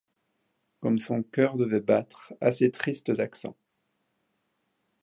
Comme son cœur devait battre à ces tristes accents !